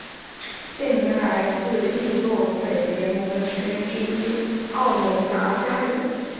县名来自易洛魁联盟的成员之一奥农达加人。